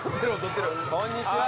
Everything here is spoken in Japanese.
こんにちは